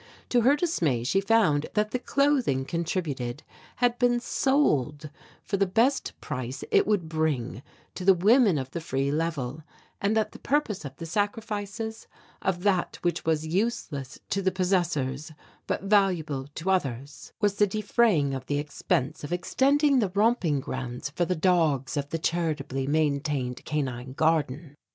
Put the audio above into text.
To her dismay she found that the clothing contributed had been sold for the best price it would bring to the women of the Free Level and that the purpose of the sacrifices, of that which was useless to the possessors but valuable to others, was the defraying of the expense of extending the romping grounds for the dogs of the charitably maintained canine garden.